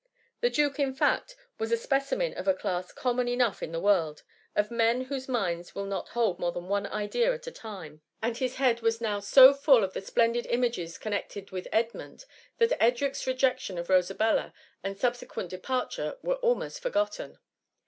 The Duke, in fact, was a specimen of a class common enough in the world, of men whose minds will not hold more than one idea at a time, and his head was now so full of the splendid images connected with £dmund, that Edric's rejection of Rosabella and subsequent departure were almost forgotten.